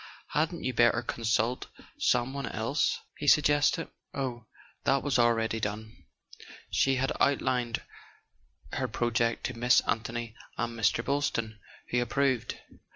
Hadn't you better consult some one else?" he suggested. Oh, that was already done: she had outlined her project to Miss Anthony and Mr. Boylston, who ap¬ proved.